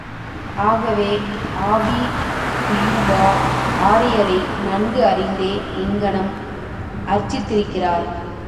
ஆகவே ஆபி டியூபா, ஆரியரை நன்கு அறிந்தே இங்ஙனம் அர்ச்சித்திருக்கிறார்.